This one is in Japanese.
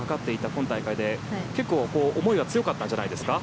今大会で結構思いは強かったんじゃないですか？